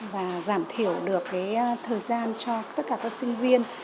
và giảm thiểu được cái thời gian cho tất cả các sinh viên